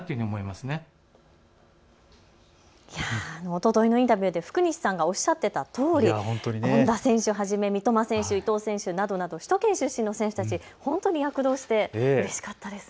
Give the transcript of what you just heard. おとといのインタビューで福西さんがおっしゃっていたとおり、権田選手をはじめ伊東選手など首都圏出身の選手たちが躍動してうれしかったです。